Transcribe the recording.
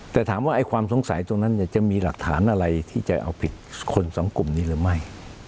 แต่ถามว่าความสงสัยตรงนั้นจะมีหลักฐานอะไรที่จะเอาผิดคนสองกลุ่มนี้หรือไม่